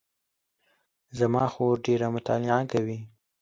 زما خور ډېره مطالعه کوي